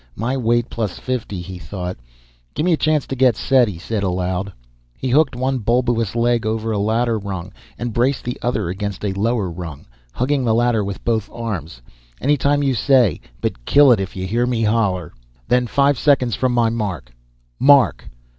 My weight plus fifty, he thought. "Give me a chance to get set," he said aloud. He hooked one bulbous leg over a ladder rung and braced the other against a lower rung, hugging the ladder with both arms. "Any time you say, but kill it if you hear me holler!" "Then five seconds from my mark mark!"